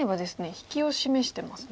引きを示してますね。